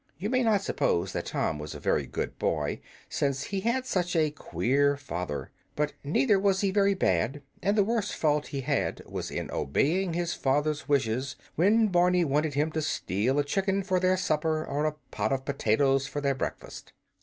You may not suppose that Tom was a very good boy, since he had such a queer father; but neither was he very bad, and the worst fault he had was in obeying his father's wishes when Barney wanted him to steal a chicken for their supper or a pot of potatoes for their breakfast.